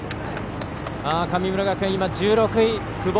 神村学園、今、１６位、久保。